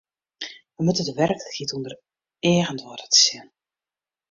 Wy moatte de werklikheid ûnder eagen doare te sjen.